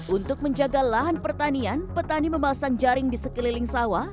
untuk menjaga lahan pertanian petani memasang jaring di sekeliling sawah